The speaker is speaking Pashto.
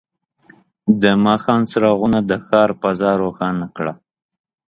د ماښام څراغونه د ښار فضا روښانه کړه.